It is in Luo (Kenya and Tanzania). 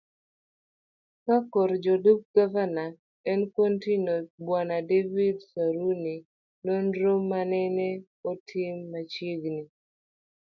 kakor jalup Gavana e kaonti no Bw.David Saruni nonro manene otim machiegni